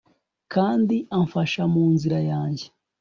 kandi amfasha mu nzira yanjye